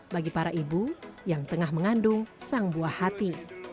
bagi para ibu yang tengah mengandung sang buah hati